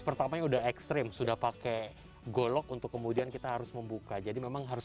pertamanya udah ekstrim sudah pakai golok untuk kemudian kita harus membuka jadi memang harus